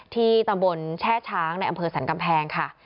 ที่ตำบลแช่ช้างในอำเภอสรรกำแพงค่ะ